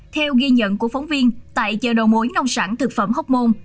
theo ghi nhận của phóng viên tại chợ đầu mối nông sản thực phẩm hóc môn